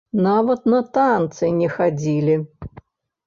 Нават на танцы не хадзілі!